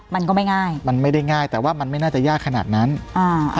มันก็ไม่ง่ายมันไม่ได้ง่ายแต่ว่ามันไม่น่าจะยากขนาดนั้นอ่า